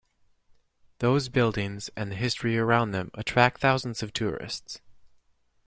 Those buildings and the history around them attract thousands of tourists.